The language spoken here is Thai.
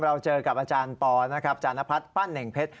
เราเจอกับอาจารย์ปอนะครับจานพัฒน์ปั้นเน่งเพชร